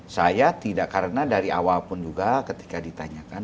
saya tidak karena dari awal pun juga ketika ditanyakan